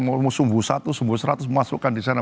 mau sumbu satu sumbu seratus mau masukkan disana